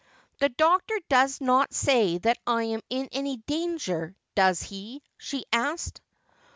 ' The doctor does not say that I'm in any danger, does he ?' she asked.